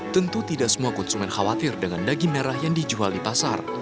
tentu tidak semua konsumen khawatir dengan daging merah yang dijual di pasar